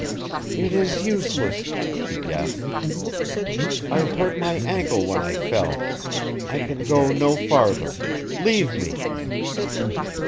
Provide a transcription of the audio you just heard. "It is useless," she gasped. "I hurt my ankle when I fell. I can go no farther. Leave me!"